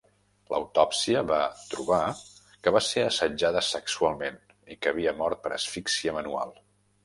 L'autòpsia va trobar que va ser assetjada sexualment i que havia mort per asfixia manual.